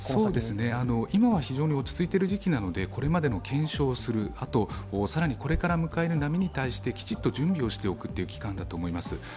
今は非常に落ち着いている時期なのでこれまでの検証をする更にこれから迎える波に対してきちっと準備をしておく期間だと思います。